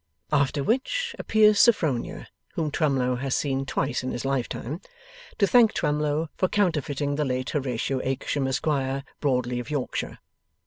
After which, appears Sophronia (whom Twemlow has seen twice in his lifetime), to thank Twemlow for counterfeiting the late Horatio Akershem Esquire, broadly of Yorkshire.